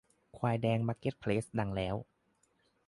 ควายแดงมาร์เก็ตเพลสดังแล้ว